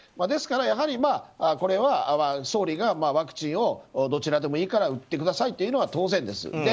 ですから、やはりこれは総理がワクチンをどちらでもいいから打ってくださいよと言うのは当然です。